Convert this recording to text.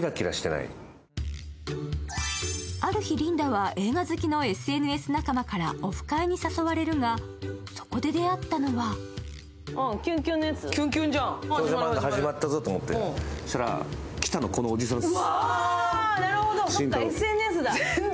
ある日、リンダは映画好きのＳＮＳ仲間からオフ会に誘われるが、そこで出会ったのは来たの、このおじさんです。